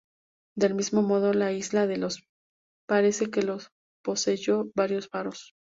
Del mismo modo, la isla de Delos parece que poseyó varios faros.